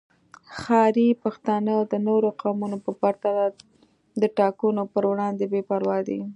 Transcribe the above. ښاري پښتانه د نورو قومونو په پرتله د ټاکنو پر وړاندې بې پروا دي